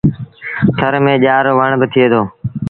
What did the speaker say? ٿر ميݩ ڄآر رو وڻ با ٿئي دو۔